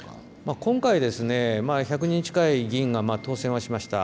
今回、１００人近い議員が当選はしました。